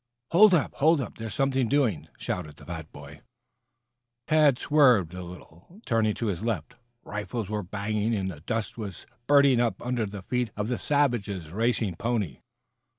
"Hold up! Hold up! There's something doing," shouted the fat, boy. Tad swerved a little, turning to his left. Rifles were banging, and the dust was spurting up under the feet of the savage's racing pony.